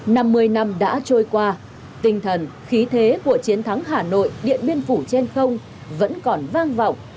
năm mươi năm đã trôi qua tinh thần khí thế của chiến thắng hà nội điện biên phủ trên không vẫn còn vang vọng